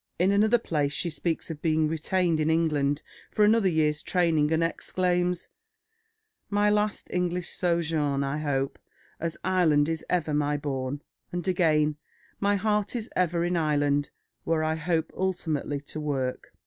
In another place she speaks of being retained in England for another year's training, and exclaims, "My last English sojourn, I hope, as Ireland is ever my bourn!" And again, "My heart is ever in Ireland, where I hope ultimately to work."